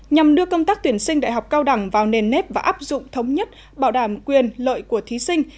nhằm đưa công tác tuyển sinh đại học cao đẳng vào nền nếp và áp dụng thống nhất bảo đảm quyền lợi của thí sinh